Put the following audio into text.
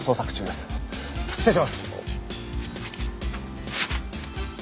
失礼します！